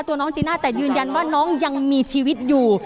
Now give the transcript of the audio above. ตัวน้องจีน่าแต่ยืนยันว่าน้องยังมีชีวิตอยู่